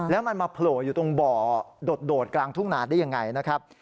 แล้วมันมาโผล่อยู่ตรงบ่อโดดกลางทุ่งนาได้ยังไงนะครับ